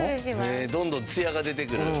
どんどんツヤが出てくる。